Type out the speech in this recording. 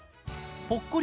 ぽっこり